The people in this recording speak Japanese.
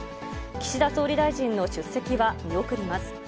岸田総理大臣の出席は、見送ります。